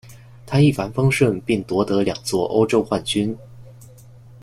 他一帆风顺并夺得两座欧洲冠军。